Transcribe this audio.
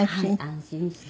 安心して。